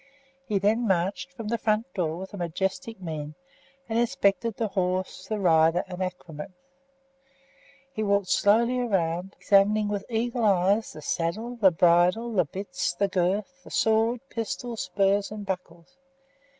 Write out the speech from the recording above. He then marched from the front door with a majestic mien and inspected the horse, the rider, and accoutrements. He walked slowly round, examining with eagle eye the saddle, the bridle, the bits, the girth, the sword, pistols, spurs, and buckles.